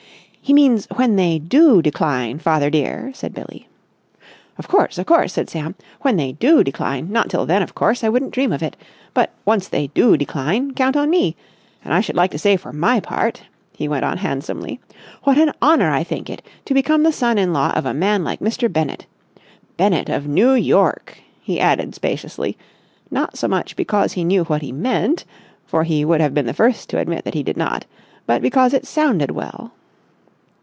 "He means when they do decline, father dear," said Billie. "Of course, of course," said Sam. "When they do decline. Not till then, of course. I wouldn't dream of it. But, once they do decline, count on me! And I should like to say for my part," he went on handsomely, "what an honour I think it, to become the son in law of a man like Mr. Bennett. Bennett of New York!" he added spaciously, not so much because he knew what he meant, for he would have been the first to admit that he did not, but because it sounded well.